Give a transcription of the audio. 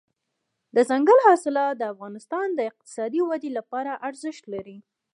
دځنګل حاصلات د افغانستان د اقتصادي ودې لپاره ارزښت لري.